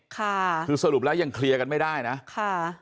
ค่ะคือสรุปแล้วยังเคลียร์กันไม่ได้นะค่ะ